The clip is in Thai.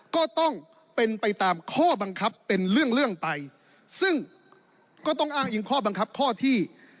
ก็ต้องเป็นไปตามข้อบังคับเป็นเรื่องเรื่องไปซึ่งก็ต้องอ้างอิงข้อบังคับข้อที่